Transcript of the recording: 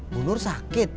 bu nur sakit